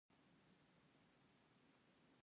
ما پوښتنه وکړه: هغه زما رالیږلي تمباکو درته راورسیدل؟